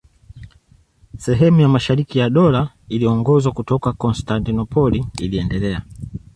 Sehemu ya mashariki ya Dola iliyoongozwa kutoka Konstantinopoli iliendelea.